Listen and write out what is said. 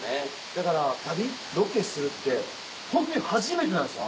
だから旅ロケするってホントに初めてなんですよ。